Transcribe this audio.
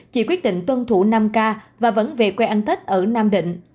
chị quyết định tuân thủ năm k và vẫn về quê ăn tết ở nam định